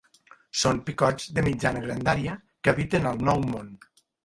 Són picots de mitjana grandària que habiten al Nou Món.